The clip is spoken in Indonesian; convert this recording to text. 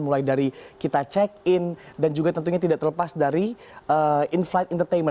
jadi kita check in dan juga tentunya tidak terlepas dari in flight entertainment